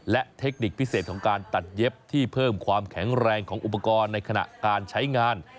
และเทคนิคพิเศษของการตัดเย็บที่เพิ่มความแข็งแรงของอุปกรณ์ในขณะการใช้งาน